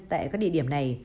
tại các địa điểm này